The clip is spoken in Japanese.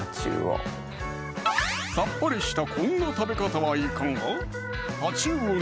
さっぱりしたこんな食べ方はいかが？